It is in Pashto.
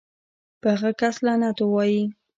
پۀ هغه کس لعنت اووائې